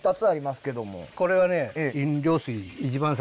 これはね